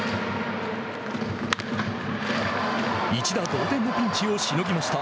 一打同点のピンチをしのぎました。